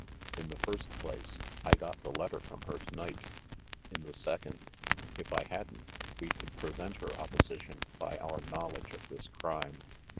In the first place, I got the letter from her to night; in the second, if I hadn't, we could prevent her opposition by our knowl edge of this crime.